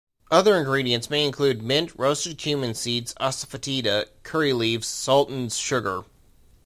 Other ingredients may include mint, roasted cumin seeds, asafoetida, curry leaves, salt and sugar.